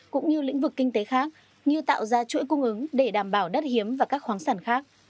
cũng như lĩnh vực kinh tế khác như tạo ra chuỗi cung ứng để đảm bảo đất hiếm và các khoáng sản khác